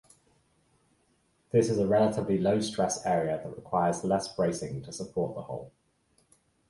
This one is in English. This is a relatively low-stress area that requires less bracing to support the hole.